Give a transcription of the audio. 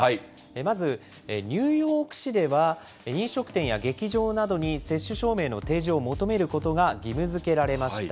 まずニューヨーク市では、飲食店や劇場などに接種証明の提示を求めることが義務づけられました。